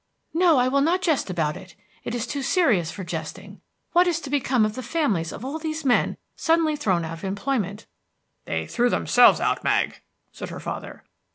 "No, I will not jest about it. It is too serious for jesting. What is to become of the families of all these men suddenly thrown out of employment?" "They threw themselves out, Mag," said her father.